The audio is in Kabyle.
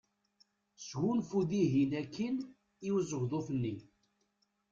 Sgunfu dihin akkin i uzegḍuf-nni.